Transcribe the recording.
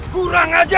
kurang ajar kau